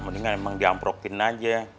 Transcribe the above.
mendingan emang diamprokin aja